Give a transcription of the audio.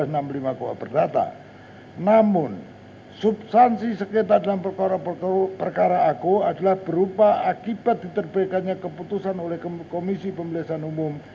namun substansi sengketa dalam perkara perkara aku adalah berupa akibat diterbaikannya keputusan oleh komisi pemilihan umum